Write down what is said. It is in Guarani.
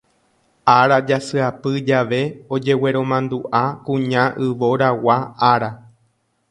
Ára jasyapy jave ojegueromanduʼa Kuña Yvoragua Ára.